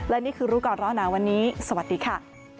และนี่คือรู้ก่อนร้อนหนาวันนี้สวัสดีค่ะ